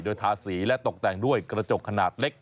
โดยทาสีและตกแต่งด้วยกระจกขนาดเล็ก